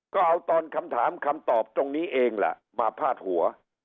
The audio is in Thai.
ก็เอาตอนคำถามคำตอบตรงนี้เองแหละมาพาดหัว